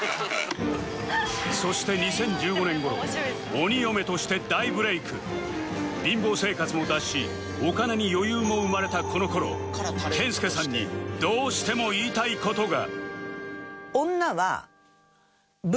そして２０１５年頃貧乏生活を脱しお金に余裕も生まれたこの頃健介さんにどうしても言いたい事が